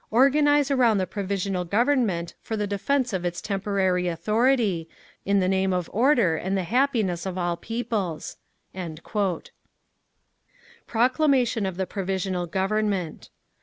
Organise around the Provisional Government for the defence of its temporary authority, in the name of order and the happiness of all peoples…." _Proclamation of the Provisional Government.